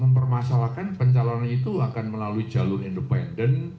mempermasalahkan pencalonan itu akan melalui jalur independen